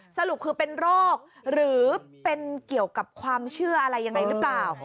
สรุปคือเป็นโรคหรือเป็นเกี่ยวกับความเชื่ออะไรยังไงหรือเปล่า